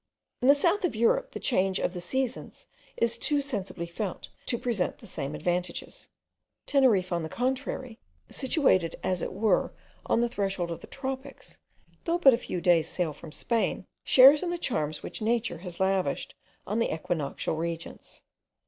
In the south of Europe the change of the seasons is too sensibly felt to present the same advantages. Teneriffe, on the contrary, situated as it were on the threshold of the tropics, though but a few days' sail from Spain, shares in the charms which nature has lavished on the equinoctial regions.